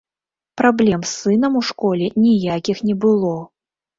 Праблем з сынам у школе ніякіх не было.